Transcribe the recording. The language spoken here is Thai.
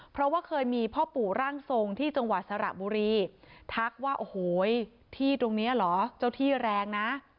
เพราะว่าเคยมีพ่อปู่ร่างทรงที่จังหวัดสระบุรีทักว่าโอ้โหที่ตรงนี้เหรอเจ้าที่แรงนะ